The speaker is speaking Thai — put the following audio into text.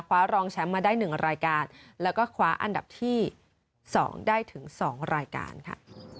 รองแชมป์มาได้๑รายการแล้วก็คว้าอันดับที่๒ได้ถึง๒รายการค่ะ